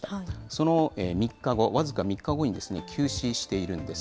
その３日後、僅か３日後に急死しているんです。